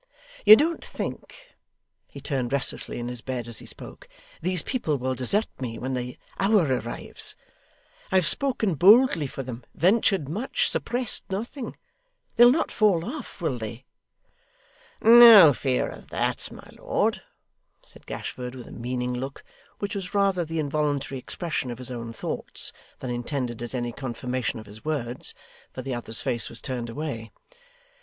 'You don't think,' he turned restlessly in his bed as he spoke, 'these people will desert me, when the hour arrives? I have spoken boldly for them, ventured much, suppressed nothing. They'll not fall off, will they?' 'No fear of that, my lord,' said Gashford, with a meaning look, which was rather the involuntary expression of his own thoughts than intended as any confirmation of his words, for the other's face was turned away.